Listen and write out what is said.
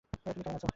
তুমি কেমন আছো?